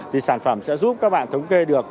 thì sản phẩm sẽ giúp các bạn thống kê được